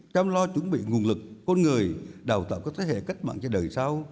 chăm lo chuẩn bị nguồn lực con người đào tạo các thế hệ cách mạng cho đời sau